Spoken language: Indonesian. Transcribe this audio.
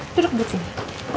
eh duduk di sini